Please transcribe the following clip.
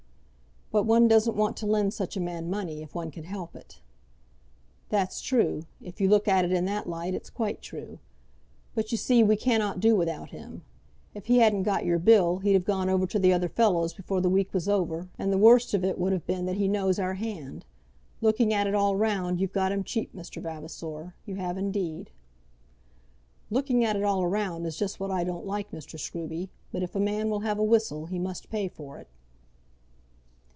"But one doesn't want to lend such a man money, if one could help it." "That's true. If you look at it in that light, it's quite true. But you see we cannot do without him. If he hadn't got your bill, he'd have gone over to the other fellows before the week was over; and the worst of it would have been that he knows our hand. Looking at it all round you've got him cheap, Mr. Vavasor; you have, indeed." "Looking at it all round is just what I don't like, Mr. Scruby, But if a man will have a whistle, he must pay for it."